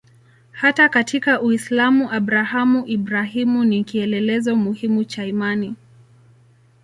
Hata katika Uislamu Abrahamu-Ibrahimu ni kielelezo muhimu cha imani.